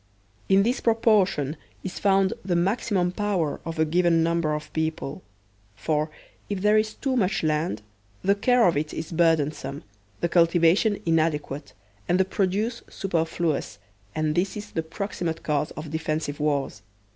In this proportion is found the maximum power of a given num ber of people; for if there is too much land, the care of it is burdensome, the cultivation inadequate, and the produce superfluous, and this is the proximate cause of defensive wars.